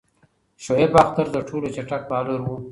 شعیب اختر تر ټولو چټک بالر وو.